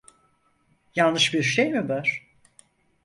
Yanlış bir şey mi var?